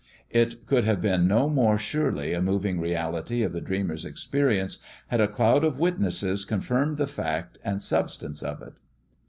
It could have been no more surely a moving reality of the dreamer's experience had a cloud of witnesses confirmed the fact and substance of it.